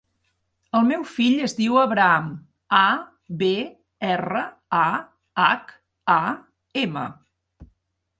El meu fill es diu Abraham: a, be, erra, a, hac, a, ema.